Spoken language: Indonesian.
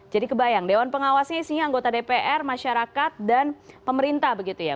jadi kebayang dewan pengawas ini isinya anggota dpr masyarakat dan pemerintah begitu ya